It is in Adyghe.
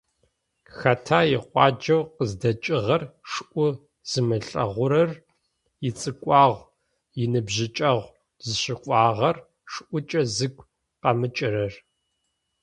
Хэта икъуаджэу къыздэкӏыгъэр шӏу зымылъэгъурэр, ицӏыкӏугъо - иныбжьыкӏэгъу зыщыкӏуагъэр шӏукӏэ зыгу къэмыкӏырэр?